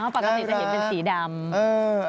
ปรักษณะที่จะเห็นเป็นสีดำ